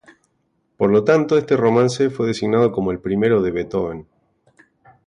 Por lo tanto, este romance fue designado como el primero de Beethoven.